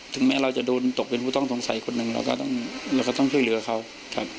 ถึงแม้เราจะโดนตกเป็นผู้ต้องตรงใสคนนึงเราก็ต้องช่วยเหลือเขาครับ